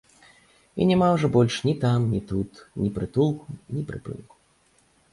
І няма ўжо больш ні там ні тут ні прытулку, ні прыпынку.